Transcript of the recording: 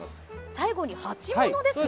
最後に鉢物ですね。